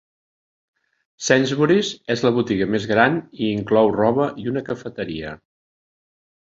Sainsburys és la botiga més gran i inclou roba i una cafeteria.